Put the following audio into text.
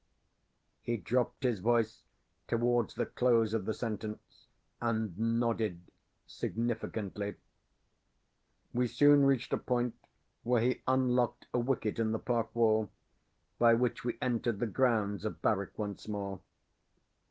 He dropped his voice towards the close of the sentence, and nodded significantly. We soon reached a point where he unlocked a wicket in the park wall, by which we entered the grounds of Barwyke once more.